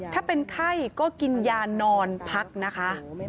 ถ้าเป็นไข้ก็กินยานอนพักนะคะ